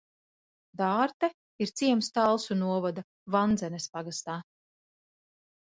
Dārte ir ciems Talsu novada Vandzenes pagastā.